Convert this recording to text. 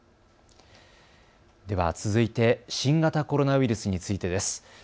では続いて新型コロナウイルスについてです。